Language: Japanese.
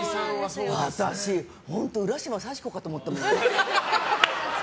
私、本当浦島幸子かと思ったもん。